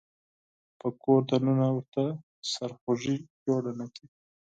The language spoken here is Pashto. په کور د ننه ورته سرخوږی جوړ نه کړي.